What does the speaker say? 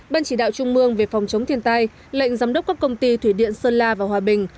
ban chỉ đạo trung mương về phòng chống thiên tai lệnh giám đốc các công ty thủy điện sơn la và hòa bình